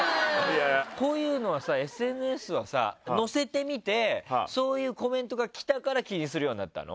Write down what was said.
こういうのはＳＮＳに載せてみてそういうコメントが来たから気にするようになったの？